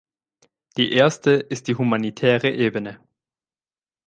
Die erste ist die humanitäre Ebene.